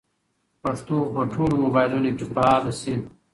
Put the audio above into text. پښتو به په ټولو موبایلونو کې فعاله شي.